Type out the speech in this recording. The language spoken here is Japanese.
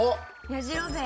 やじろべえ。